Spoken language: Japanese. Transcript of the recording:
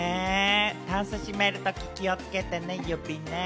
スタンス閉めるとき気をつけてね、指ね。